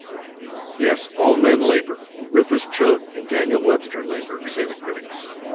Yes, all men labor. RUFUS CHOATE AND DANIEL WEBSTER labor, say the critics.